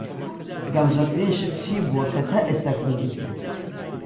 گەمژەترین شت چی بووە کە تا ئێستا کردووتە؟